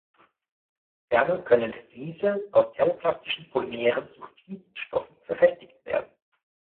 Ferner können Vliese aus thermoplastischen Polymeren zu Vliesstoffen verfestigt werden.